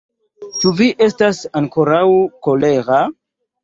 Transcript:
Ĉu vi estas aukoraŭ kolera?